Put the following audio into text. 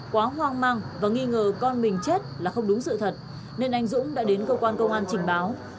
quá hoang mang và nghi ngờ con mình chết là không đúng sự thật nên anh dũng đã đến cơ quan công an trình báo